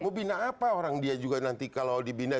mau bina apa orang dia juga nanti kalau dibina